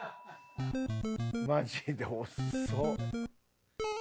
マジで遅っ！